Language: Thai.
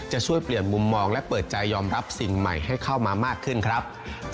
จะช่วยเปลี่ยนมุมมองและเปิดใจยอมรับสิ่งใหม่ให้เข้ามามากขึ้นครับ